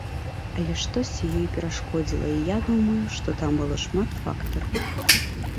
Але штосьці ёй перашкодзіла, і я думаю, што там было шмат фактараў.